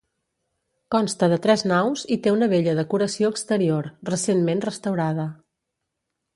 Consta de tres naus i té una bella decoració exterior, recentment restaurada.